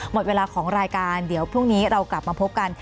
หมดเวลาของรายการเดี๋ยวพรุ่งนี้เรากลับมาพบกัน